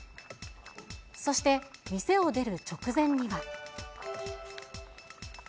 そして、店を出る直前には。